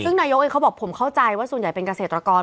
ซึ่งนายกเองเขาบอกผมเข้าใจว่าส่วนใหญ่เป็นเกษตรกร